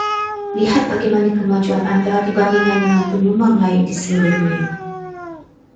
Lihat bagaimana kemajuan Anda dibandingkan dengan penyumbang lain di seluruh dunia.